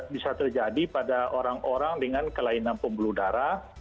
bisa terjadi pada orang orang dengan kelainan pembuluh darah